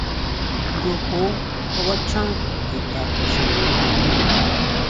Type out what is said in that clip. Yojo kabachan chuta chjine xojon.